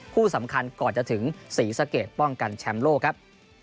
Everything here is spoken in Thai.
คู่สำคัญก่อนจะถึงศรีสะเกดป้องกันแชมป์โลกครับ